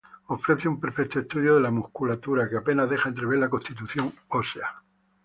Ofrece un perfecto estudio de la musculatura, que apenas deja entrever la constitución ósea.